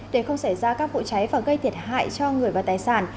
để không xảy ra các vụ cháy và gây thiệt hại cho người và tài sản